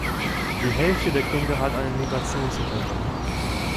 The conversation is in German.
Die Hälfte der Kinder hat einen Migrationshintergrund.